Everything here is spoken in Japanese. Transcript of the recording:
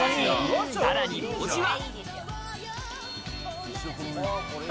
さらに文字は。